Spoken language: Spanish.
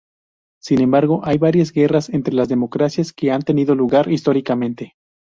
Sin embargo, hay varias guerras entre las democracias que han tenido lugar históricamente.